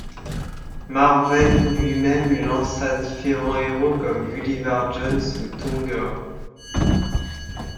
Marvel lui-même lança différents héros comme Gullivar Jones ou Thongor.